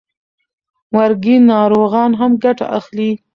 مرګي ناروغان هم ګټه اخلي.